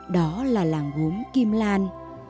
đó là làng gốm kim lan